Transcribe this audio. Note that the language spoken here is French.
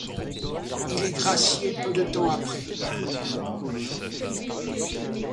Il est gracié peu de temps après.